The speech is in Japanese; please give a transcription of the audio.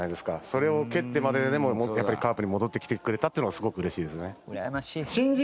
それを蹴ってまででもカープに戻ってきてくれたっていうのはすごくうれしいですね。